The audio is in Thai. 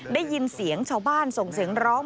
ได้ยินเสียงชาวบ้านส่งเสียงร้อง